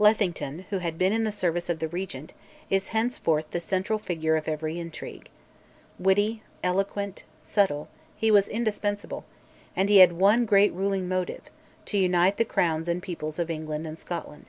Lethington, who had been in the service of the Regent, is henceforth the central figure of every intrigue. Witty, eloquent, subtle, he was indispensable, and he had one great ruling motive, to unite the crowns and peoples of England and Scotland.